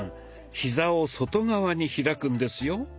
ヒザを外側に開くんですよ。